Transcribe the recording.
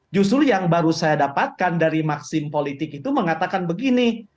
justru yang baru saya dapatkan dari maksim politik itu mengatakan begini